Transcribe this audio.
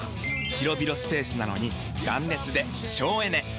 広々スペースなのに断熱で省エネ！